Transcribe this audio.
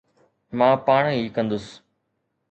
مان پاڻ ئي ڪندس